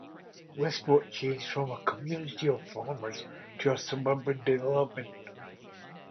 Westport changed from a community of farmers to a suburban development.